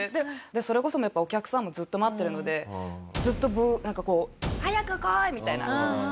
それこそお客さんもずっと待ってるのでずっとなんかこう「早く来い！」みたいな。